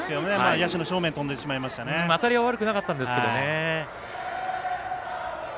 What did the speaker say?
野手の正面に当たりは悪くなかったんですけどね。